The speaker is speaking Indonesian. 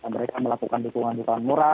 mereka melakukan dukungan dukungan murah